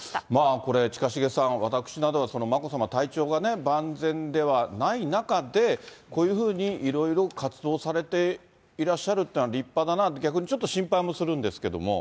これ、近重さん、私などは眞子さまが体調が万全ではない中で、こういうふうにいろいろ活動されていらっしゃるというのは立派だな、逆にちょっと心配もするんですけれども。